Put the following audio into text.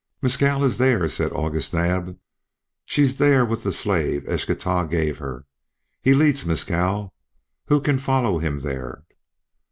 "Mescal is there," said August Naab. "She's there with the slave Eschtah gave her. He leads Mescal. Who can follow him there?"